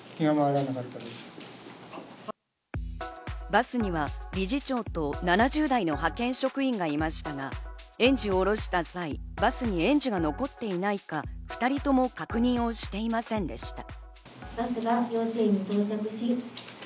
バスには理事長と７０代の派遣職員がいましたが、園児を降ろした際、バスに園児が残っていないか、２人とも確認をしていませんでした。